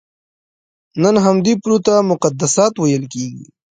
نن همدې پولو ته مقدسات ویل کېږي.